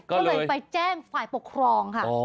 ก็เลยไปแจ้งฝ่ายปกครองค่ะ